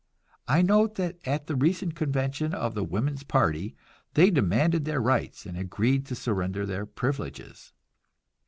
I note that at the recent convention of the Woman's Party they demanded their rights and agreed to surrender their privileges.